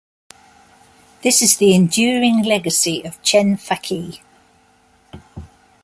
This is the enduring legacy of Chen Fake.